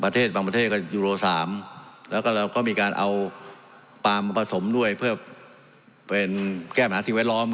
ประเทศบางประเทศก็ยูโร๓แล้วเราก็มีการเอาส